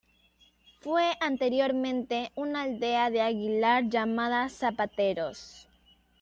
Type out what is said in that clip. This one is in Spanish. Fue anteriormente una aldea de Aguilar llamada Zapateros.